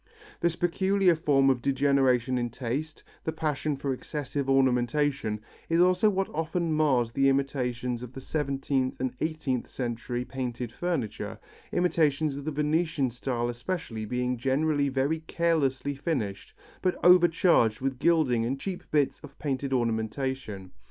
This peculiar form of degeneration in taste, the passion for excessive ornamentation, is also what often mars the imitations of seventeenth and eighteenth century painted furniture, imitations of the Venetian style especially being generally very carelessly finished but overcharged with gilding and cheap bits of painted ornamentation.